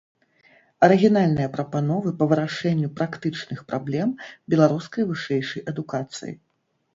Арыгінальныя прапановы па вырашэнню практычных праблем беларускай вышэйшай адукацыі.